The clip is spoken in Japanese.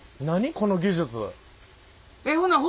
この技術。